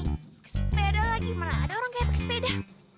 pake sepeda lagi mana ada orang kayak pake sepeda